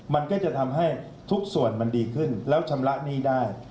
มันก็จะทำให้ทุกส่วนมันดีขึ้นแล้วชำระหนี้ได้